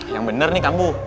yang bener ini kamu